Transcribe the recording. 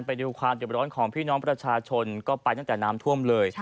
ไปดูความเจ็บร้อนของพี่น้องประชาชนก็ไปตั้งแต่น้ำท่วมเลย